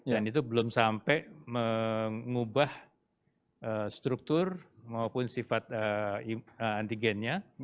dan itu belum sampai mengubah struktur maupun sifat antigen